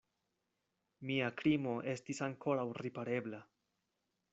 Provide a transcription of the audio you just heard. Mia krimo estis ankoraŭ riparebla.